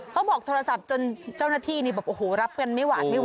เขาบอกโทรศัพท์จนเจ้าหน้าที่นี่แบบโอ้โหรับกันไม่หวานไม่ไห